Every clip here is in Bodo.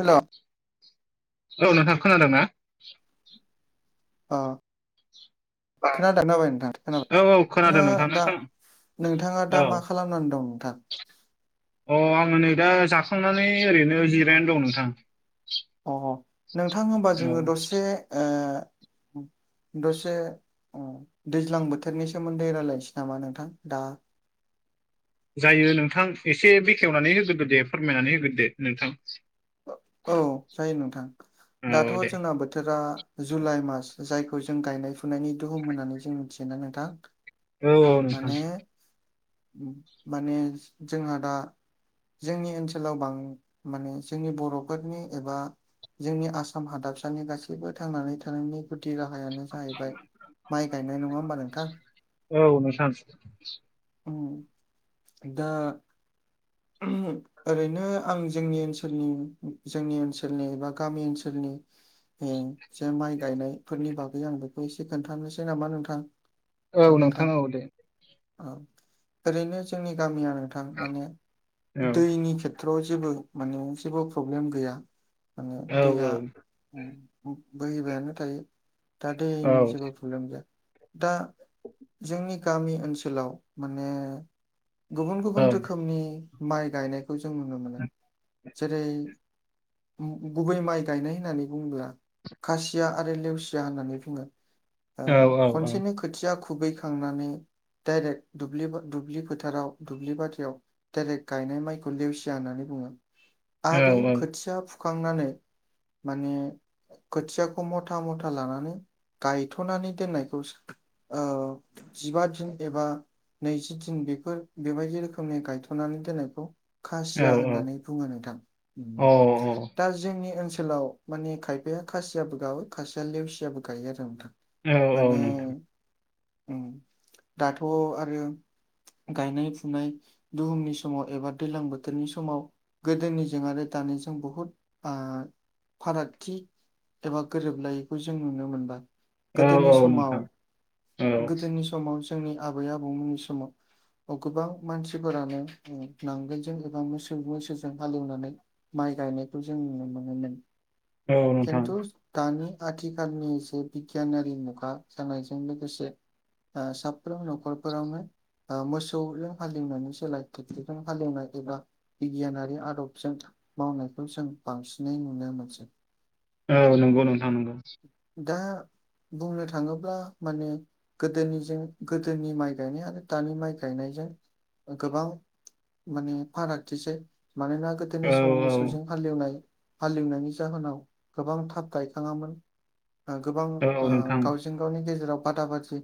हेल' औ नोंथां खोनादों ना? अ [inaudible] खोनादों [unintelligible] नोंथां खोनाबाय औ औ खोनादों फा नोंथां दा नोंथां नोंथाङा दा औ मा खालामनानै दं नोंथां? अ आङो नै दा जाखांनानै ओरैनो जिरायनानै दं नोंथां‌। अ नोंथां ओमबा औ जोङो दसे ओ दसे दैज्लां बोथोरनि सोमोन्दै रायलायनोसै नामा नोंथां दा? जायो नोंथां एसे बेखेवनानै होग्रोदो दे फोरमायनानै होग्रोदे नोंथां औ जायो नोंथां औ दाथ' दे जोंना बोथोरा जुलाइ मास जायखौ जों गायनाय फुनायनि दुहुम होननानै जों मिथियोना नोंथां। औ औ नोंथां माने माने जोंहा दा जोंनि ओनसोलाव बां माने जोंनि बर'फोरनि एबा जोंनि आसाम हादाबसानि गासैबो थांनानै थानायनि गुदि राहायानो जाहैबाय माइ गायनाय नङा होमबा नोंथां औ नोंथां उम दा ओरैनो आं जोंनि ओनसोल ओ जोंनि ओनसोलनि बा गामि ओनसोलनि जे माइ गायनायफोरनि बागै आं बेखौ एसे खोन्थानोसै नामा नोंथां औ नोंथां औ दे औ ओरैनो जोंनि गामिया नोंथां माने औ दैनि खेथ्रआव जेबो माने जेबो प्रब्लेम गैया माने औ दैया औ बोहैबायानो थायो दा औ दैनि जेबो प्रब्लेम गैया दा जोंनि गामि ओनसोलाव माने गुबुन औ गुबुन रोखोमनि माइ गायनायखौ जों नुनो मोनो जेरै गुबै माइ गायनाय होननानै बुङोब्ला खासिया आरो लेवसिया होननानै बुङो औ औ अ खनसेनो खोथिया खुबैखांनानै दडाइरेक्ट दुब्लि फोथाराव दुब्लि बाथियाव दायरेक्ट गायनाय माइखौ लेवसिया होननानै बुङो अ औ आरो खोथिया फुखांनानै माने खोथियाखौ मथा मथा लानानै गायथ'नानै दोननायखौ जिबा दिन एबा नैजि दिन बेफोर बेबायदि रोखोमनि गायथ'नानै दोननायखौ खासिया होननानै बुङो नोंथां दा जोंनि ओनसोलाव माने खायफाया खासियाबो गावो खासिया लेवसियाबो गायो आरो नोंथां औ माने नोंथां दाथ' आरो गायनाय फुनाय दुहुमनि समाव एबा दैज्लां बोथोरनि समाव गोदोनिजों आरो दानिजों बुहुद फारागथि एबा गोरोबलायैखौ जों नुनो मोनबाय औ गोदोनि औ समाव नोंथां औ गोदोनि सम समाव जोंनि आबै आबौमोननि समाव गोबां मानसिफोरानो नांगोलजों एबा मोसौ मैसो ज हालेवनानै माइ गायनायखौ जों नुनो मोनोमोन औ नोंथां खिन्थु दानि आथिखालनिसो बिगियानारि मुगा जानायजों लोगोसे साफ्रोम नखरफोरावनो मोसौजों हालिनायनि सोलाय ट्रेकटरजों हालिवनाय एबा बिगियानारि आदबजों मावनायखौ जों बांसिनै नुनो मोनसै औ नंगौ नोंथां नंगौ दा बुंनो थाङोब्ला माने गोदोनिजों गोदोनि माइ गायनाय आरो दानि माइ गायनायजों गोबां माने फारागथिसै मानोना औ गोदोनि समाव औ मोसौ जों हालवनाय हालेवनायनि जाहोनाव गोबां थाब गायखाङामोन गोबां औ नोंथां गावजों गावनि गेजेराव बादा बादि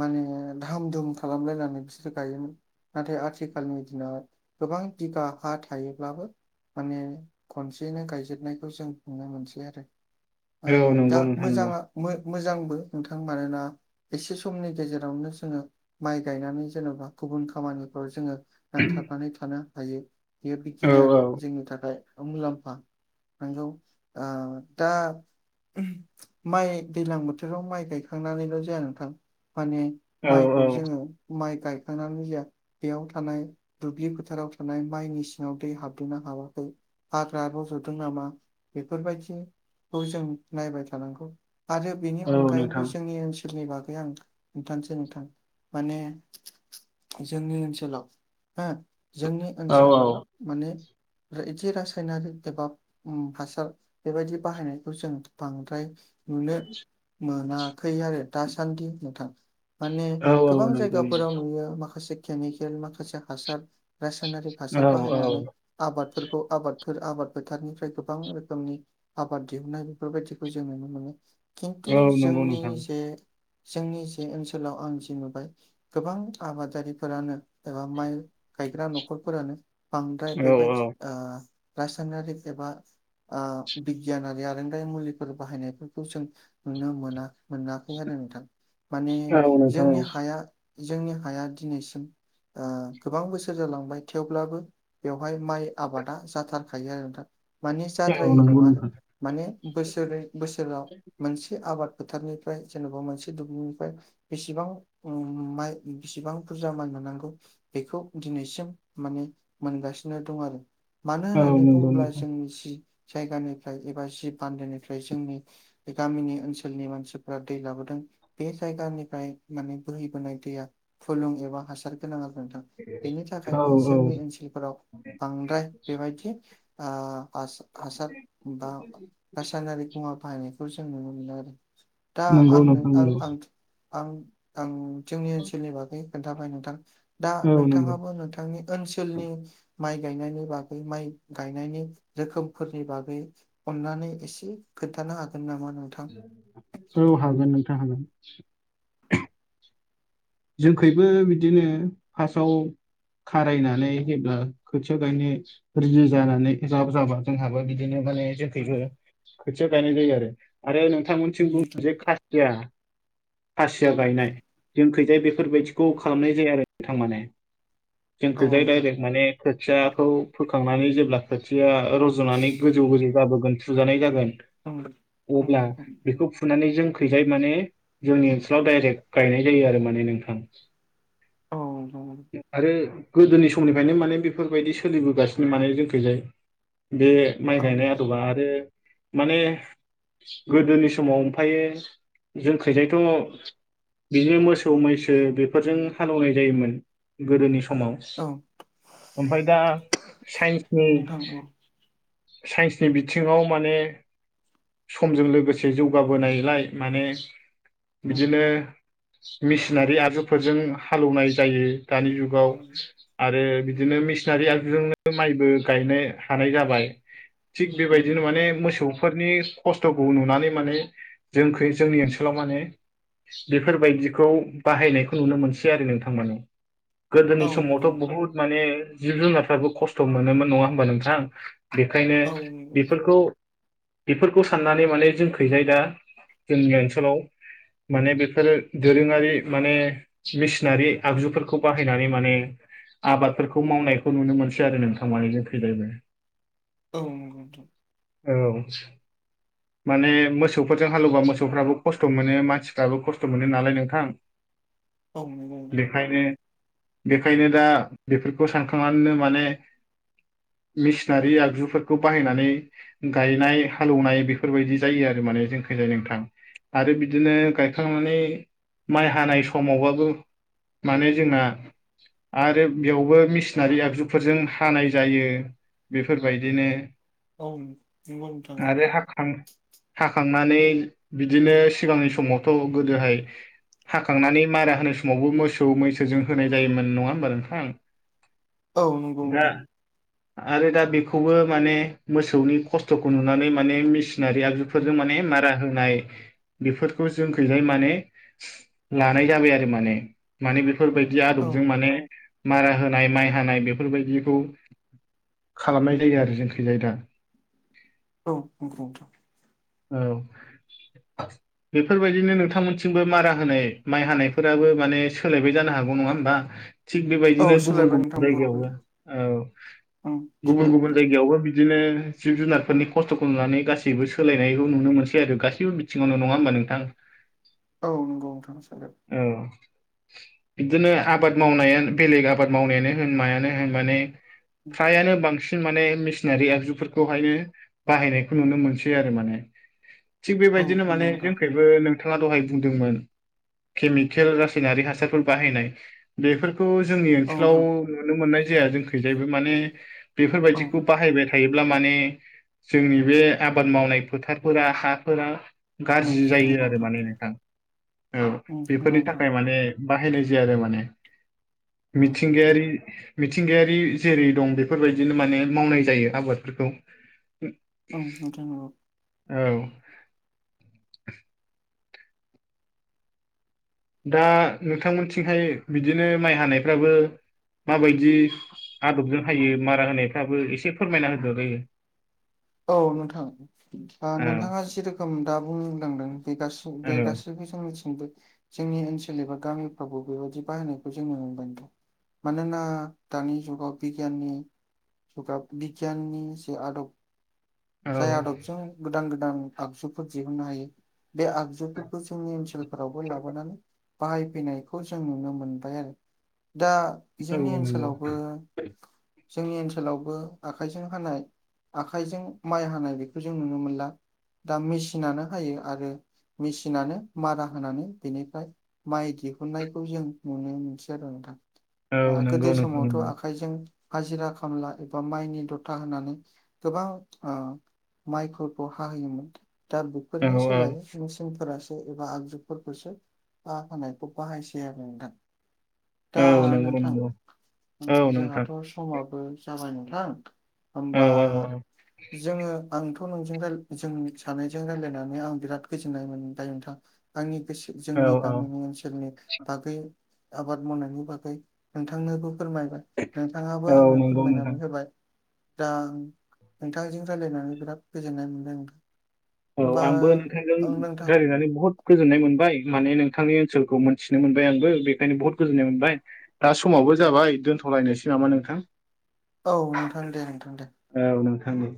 माने धाम धुम खालामलायनानै बिसोरो गायोमोन नाथाय आथिखालनि दिनाव गोबां बिगा हा थायोब्लाबो माने खनसेयैनो गायजेनायखौ जों नुनो मोनसै आरो औ दा नंगौ नोंथां नंगौ मोजाङा मोजांबो नोंथां मानोना एसे समनि गेजेरावनो जोङो माइ गायनानै जेनेबा गुबुन खामानिफ्राव जोङो नांथाबनानै थानो हायो बेयो औ बिगियानारि औ जोंनि थाखाय मुलाम्फा नंगौ दा माइ दै्लां बोथोराव माइ गायखांनानैल' जाया नोंथां माने माइ औ औ जोङो माइ गायखांनानै जाया बेयाव थानाय दुब्लि फोथाराव थानाय माइनि सिङाव दै हाबदोंना हाबाखै हाग्रा रज'दों नामा बेफोरबायदि खौ जों नायबाय थानांगौ आरो बेनि औ अनगायैबो नोंथां जोंनि ओनसोलाव नि बागै आं खिथानोसै नोंथां माने जोंनि ओनसोलाव हो जोंनि औ औ ओनसोलाव माने आरो एदि रासायनारि एबा हासार बेबायदि बाहायनायखौ जों बांद्राय नुनो मोनाखै आरो दासान्दि नोंथां। माने औ औ गोबां नंगौ नंगौ जायगाफोराव नुयो माखासे केमिकेल माखासे हासार रासायनारिक हासार औ औ बाहायनानै आबादफोरखौ आबादफोर आबाद फोथारनिफ्राय गोबां रोखोमनि आबाद दिहुननाय बेफोरबायदिखौ जों नुनो मोनो खिन्थु औ नंगौ जोंनि नोंथां जे जोंनि जे ओनसोलाव आं जे नुबाय गोबां आबादारिफोरानो एबा माइ गायग्रा न'खरफोरानो बांद्राय औ औ बेबायदि ओ रासायनारिक एबा बिगियानारि आरोंदायारि मुलिफोर बाहायनायफोरखौ जों नुनो मोना। मोनाखै आरो नोंथां माने औ नोंथां जोंनि हाया जोंनि हाया दिनैसिम गोबां बोसोर जालांबाय थेवब्लाबो बेवहाय माइ आबादा जाथारखायो आरो नोंथां मानि औ औ जाद्राय नंगौ नङा आरो। नोंथां माने बोसोरै बोसोराव मोनसे आबाद फोथारनिफ्राय जेन'बा मोनसे दुब्लिनिफ्राय बेसेबां ओम माइ बेसेबां बुरजा माइ मोननांगौ बेखौ दिनैसिम माने मोनगासिनो दं आरो मानो औ होननानै नंगौ बुङोब्ला नोंथां जों मि जि- जायगानिफ्राय एबा जि बान्दोनिफ्राय जोंनि बे गामिनि ओनसोलनि मानसिफ्रा दै लाबोदों बे जायगानिफ्राय माने बोहैबोनाय दैया फुलुं एबा हासार गोनां आरो नोंथां। बेनि औ थाखायनो औ जोंनि ओनसोलफोराव बांद्राय बेबायदि ओ हासार बा रासायनारि मुवा बाहायनायखौ जों नुनो मोनो आरो। दा नंगौ आंनो नोंथां आं नंगौ आं आं आं जोंनि ओनसोलनि बागै खोन्थाबाय नोंथां दा औ नंगौ नोंथाङाबो नोंथांनि ओनसोलनि माइ गायनायनि बागै माइ गायनायनि रोखोमफोरनि बागै अननानै एसे खोन्थानो हागोन नामा नोंथां? औ हागोन नोंथां हागोन। जोंखैबो बिदिनो फार्स्टआव खारायनानै जेब्ला खोथिया गायनो रिदि जानानै जाब जाबा जोंहाबो बिदिनो माने औ जोंखैबो खोथिया गायनाय जायो आरो आरो नोंथांमोनसिम बुङो नंगौ जे खा- सिया नोंथां खासिया गायनाय जोंखैजाय बेफोरबायदिखौ खालामनाय बिदि आरो थारमाने औ जोंखौ जाय डाइरेक माने खोथियाखौ फोखांनानै जेब्ला खोथिया रज'नानै गोजौ गोजौ जाबोगोन फुजानाय जागोन अब्ला बेखौ फु- फुनानै जोंखैजाय माने जोंनि ओनसोलाव डाइरेक्ट गायनाय जायो आरो माने नोंथां। आरो गोदोनि समनिफ्रायनो माने बेफोरबायदि सोलिबोगासिनो माने जोंखैजाय बे माइ गायनाय आदबा आरो माने गोदोनि समाव ओमफ्रायो जोंखैजायथ' बिदिनो मोसौ मोसौ मैसो बेफोरजों हालेवनाय जायोमोन गोदोनि समाव ओमफ्राय दा साइन्सनि साइन्सनि बिथिङाव माने समजों लोगोसे जौगाबोनायलाय माने बिदिनो मेसिनारि आगजुफोरजों हालेवनाय जायो दानि जुग आव आरो बिदिनो मे- सिनारि आगजुजोंनो माइबो गायनो हानाय जाबाय थिग बेबायदिनो माने मोसौ फोरनि खस्थ'खौ नुनानै माने जोंखौ जोंनि ओनसोलाव माने- बेफोर बायदि खौ बाहायनायखौ नुनो मोनसै आरो नोंथांमोने गोदोनि समावथ' बुहुद माने जिब जुनारफ्राबो खस्थ' मोनोमोन नङा होमबा नोंथां। बेखायनो बेफोरखौ। बेफोरखौ साननानै माने जोंखैजाय दा जोंनि ओनसोलाव माने बेफोर दोरोङारि माने मेसिनारि आगजुफोरखौ बाहायनानै माने। आबादफोरखौ मावनायखौ नुनो मोनसै आरो नोंथां मानि जोंखैजायबो। औ। औ। माने मोसौफोरजों हालौवा मोसौफ्राबो खस्थ' मोनो मानसिफ्राबो खस्थ' मोनो नालाय नोंथां बेखायनो बेखायनो दा बेफोरखौ सानखांनानैनो माने मिसिनारि आगजुफोरखौ बाहायनानै गायनाय हालौवनाय बेफोरबायदि जायो आरो माने जोंखैजाय नोंथां। आरो बिदिनो गायखांनानै माइ हानाय समावबाबो माने जोंना आरो बेयावबो मेसिनारि आगजुफोरजों हानाय जायो। बेफोर बादिनो आरो हाखां हाखांनानै बिदिनो सिगांनि समावथ' गोदोहाय हाखांनानै मारा होनाय समावबो मोसौ मैसोजों होनाय जायोमोन नङा होमबा नोंथां दाथ' आरो दा बेखौबो माने मोसौनि खस्थ'खौ नुनानै माने मि सिनारि आगजुफोरजों माने मारा होनाय बेफोरखौ जोंखैहाय माने बे लानाय जाबाय आरो माने माने बेफोरबायदि आदबजों माने मारा होनाय माइ हानाय बेफोरबादिखौ खालामनाय जायो आरो जोंखैजाय दा औ नंगौ नोंथां। औ बेफोरबादिनो नोंथांमोन थिंबो मारा होनाय माइ हानायफोराबो माने सोलायबाय जानो हागौ नङा होमबा? थिग औ बेबायदिनो गुबुन सोलायबाय गुबुन नोंथां बहुदनो जायगायावबो औ ओं गुबुन गुबुन सोलायबाय जायगायावबो बिदिनो जिब जुनारफोरनि खस्थ'खौ नुनानै गासैबो सोलायनायखौ नुनो मोनसै आरो गासैबो। सिङाव नङा होमबा नोंथां। औ नंगौ नोंथां सागो औ। बिदिनो आबाद मावनायानो बेलेग आबाद मावनायानो होन मायानो होन माने फ्रायानो बांसिन आरो सिन माने मेसिनारि एगजुफोरखौहायनो बाहायनायखौ नुनो मोनसै आरो माने ना थिग औ बेबायदिनो माने नंगौ नोंथां जोंखबो नोंथाङा दहायस बुंदोंमोन केमिकेल रायनारि हासारफोर बायनाय बे जोंनि ओनसोलाव नुनो मोननाय जाया जोंखैजायबो माने औ नोंथां औ बेफोरबादिखौ बाहायबाय थायोब्ला माने जोंनि बे आबाद मावनाय फोथारफोरा हाफोर ओं गाज्रि नंगौ जायो आरो माने नोंथां औ बेफोरनि नोंथां थाखाय माने बाहायनाय जाया आरो माने। ओं मिथिंगायारि मिथिंगायारि जेरै दं बेफोरबादिनो माने मावनाय जायो। आबादफोरखौ ओमफाय नोंथां नंगौ। औ। दा नोंथांमोनथिंहाय बिदिनो माइ हानायफ्राबो। माबायदि आदबजों हायो मारा होनायफ्राबो एसे फोरमायना होदो जायो। औ नोंथां। औ नोंथाङा जेरोखोम दा बुंलांदों बे गासि औ बे गासैबो जों मिथिंबो जोंनि ओनसोल एबा गामिफ्रावबो बेबायदि बाहायनायखौ जोंनो मोनबाय दं मानोना दानि जुगाव बिगियाननि जुगा बिगियाननि जे आदब [unintelligible] औ जाय आदबजों गोदान गोदान आगजुफोर दिहुननो हायो बे आगजु बिफोरखौ जोंनि ओनसोलफोरावबो लाबोनानै [unintelligible] बाहायफैनायखौ जों नोनो मोनबाय आरो दा जोंनि औ नंगौ ओनसोलावबो जोंनि ओनसोलावबो आखाइजों हानाय आखाइजों माइ हानाय बेखौ जों नुनो मोनला दा मेसिनानो हायो आरो मेसिनानो मारा होनानै बिनिफ्राय माइ दिहुननायखौ जों नुनो मोनसै आरो नोंथां औ गोदो नंगौ नोंथां समावथ' नंगौ आखाइजों हाजिरा खामला एबा माइनि दथा होनानै गोबां माइफोरखौ हाहोयोमोन दा औ बेफोरनि औ सोलाय मेसिनफोरासो एबा आगजुफोरखौसो बा हानायखौ बाहायसै आरो नोंथां [unintelligible] दा औ नंगौ नंगौ नोंथां औ नोंथां जोंहाथ' समाबो जाबाय नोंथां औ होमबा औ जोङो आंथ' नोंजों जों सानैजों रायजलायनानै आं बिराद गोजोननाय मोनो दायो नोंथां [unintelligible] आंनि गोसो औ जोंनि औ गामिनि ओनसोलनि बागै आबाद मावनायनि बागै नोंथांनोबो फोरमायबाय नोंथाङाबो औ आंनो नंगौ नोंथां फोरमायनानै होबाय दां नोंथांजों रायज्लायनानै बिराद गोजोननाय मोनदों नोंथां औ आंबो नोंथांजों नोंथां रायज्लायनानै बहुद गोजोननाय मोनबाय माने नोंथांनि ओनसोलखौ मोनथिनो मोनबाय आंबो बेखायनो बहुत गोजोननाय मोनबाय दा समावबो जाबाय दोनथ'लायनोसै नामा नोंथां औ नोंथां दे नोंथां दे औ नोंथां औ